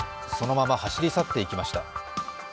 そのまま走り去っていきました。